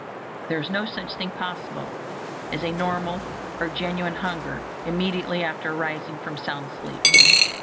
There is no such thing possible as a normal or genuine hunger immediately after arising from sound sleep.